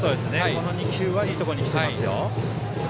この２球はいいところにきてますよ。